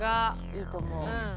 いいと思う。